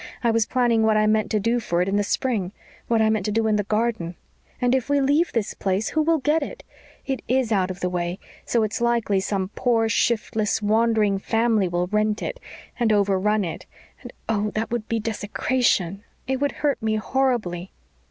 I was planning what I meant to do for it in the spring what I meant to do in the garden. And if we leave this place who will get it? It IS out of the way, so it's likely some poor, shiftless, wandering family will rent it and over run it and oh, that would be desecration. It would hurt me horribly."